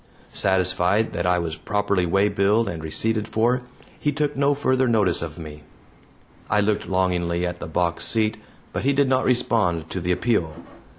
Satisfied that I was properly waybilled and receipted for, he took no further notice of me. I looked longingly at the box seat, but he did not respond to the appeal.